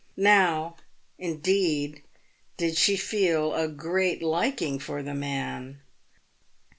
Now, indeed, did she feel a great liking for the man.